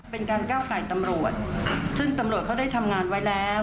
เป็นการก้าวไก่ตำรวจซึ่งตำรวจเขาได้ทำงานไว้แล้ว